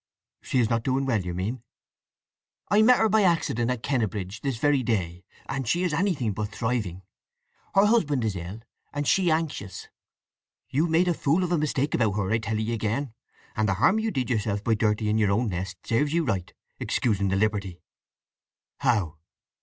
"She is not doing well, you mean?" "I met her by accident at Kennetbridge this very day, and she is anything but thriving. Her husband is ill, and she anxious. You made a fool of a mistake about her, I tell 'ee again, and the harm you did yourself by dirting your own nest serves you right, excusing the liberty." "How?"